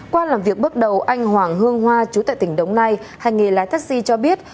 qua làm việc bước đầu anh hoàng hương hoa chú tại tỉnh đống nay hành nghề lái taxi cho biết